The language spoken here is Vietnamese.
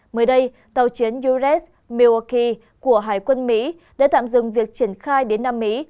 mới đây tàu chiến u s milwaukee của hải quân mỹ đã tạm dừng việc triển khai đến nam mỹ